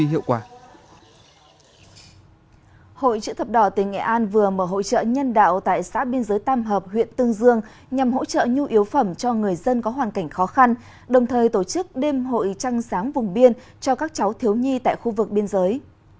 hội chữ thập đỏ tỉnh nghệ an vừa mở hỗ trợ nhân đạo tại xã biên giới tam hợp huyện tương dương nhằm hỗ trợ nhu yếu phẩm cho người dân có hoàn cảnh khó khăn đồng thời tổ chức đêm hội trăng sáng vùng biên cho các cháu thiếu nhi tại khu vực biên giới